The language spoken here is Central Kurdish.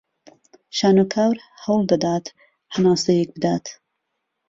شانۆکار هەوڵ دەدات هەناسەیەک بدات